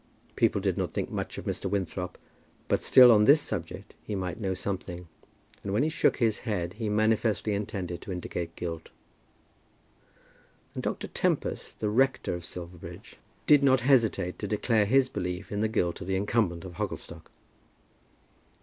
People did not think much of Mr. Winthrop; but still on this subject he might know something, and when he shook his head he manifestly intended to indicate guilt. And Dr. Tempest, the rector of Silverbridge, did not hesitate to declare his belief in the guilt of the incumbent of Hogglestock.